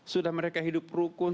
sudah mereka hidup rukun